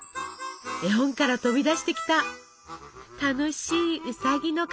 絵本から飛び出してきた楽しいウサギの形。